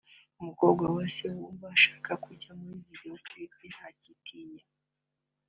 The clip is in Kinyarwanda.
“Umukobwa wese wumva ashaka kujya muri video clip ntakitinye